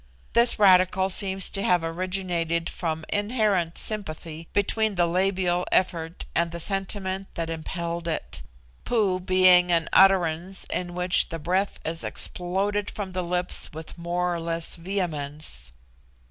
This radical seems to have originated from inherent sympathy between the labial effort and the sentiment that impelled it, Poo being an utterance in which the breath is exploded from the lips with more or less vehemence.